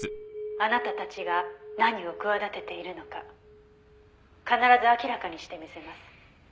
「あなたたちが何を企てているのか必ず明らかにしてみせます」